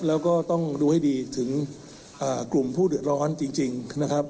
แล้วก็ต้องดูให้ดีถึงกลุ่มผู้เดือดร้อนจริงนะครับ